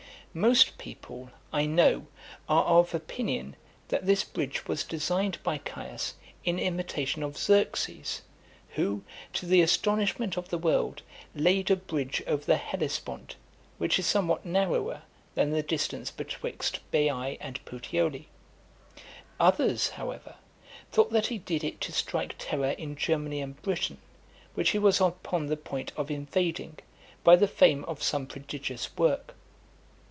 Most people, I know, are of opinion, that this bridge was designed by Caius, in imitation of Xerxes, who, to the astonishment of the world, laid a bridge over the Hellespont, which is somewhat narrower than the distance betwixt Baiae and Puteoli. Others, however, thought that he did it to strike terror in Germany and Britain, which he was upon the point of invading, by the fame of some prodigious work.